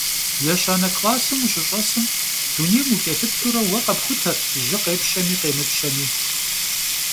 Yêşane klassım vuşış'esım, dunêym vuç'elhıplhure, vue khepxutert jı khêpşemi khêmıpşemi.